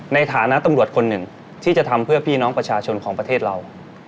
ในฐานะตำรวจคนหนึ่งที่จะทำเพื่อพี่น้องประชาชนของประเทศเรา